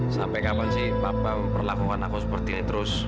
sampai kapan sih papa memperlakukan aku seperti ini terus